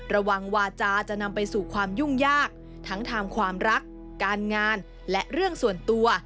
ระวังวาจาจะนำไปสู่ความยุ่งยากทั้งทางความรักการงานและเรื่องส่วนตัว